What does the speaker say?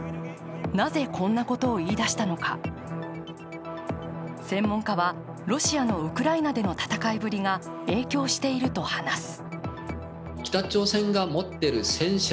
なぜ、こんなことを言い出したのか専門家はロシアのウクライナでの戦いぶりが影響していると話す。